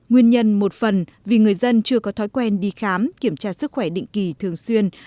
nguyên nhân một phần vì người dân chưa có thói quen đi khám kiểm tra sức khỏe định kỳ thường xuyên